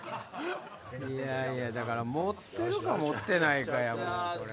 いやいやだから持ってるか持ってないかやもんこれ。